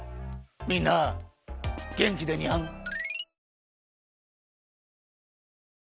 みんなげんきでにゃん！